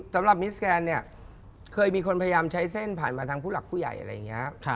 สำหรับมิทสแกนเคยมีคนพยายามใช้เส้นทางผู้หลังผู้ใหญ่อะไรแบบนี้